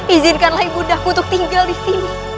izinkanlah ibu undaku untuk tinggal disini